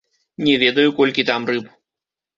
Не ведаю, колькі там рыб.